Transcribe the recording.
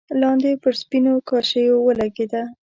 لاندې پر سپينو کاشيو ولګېده.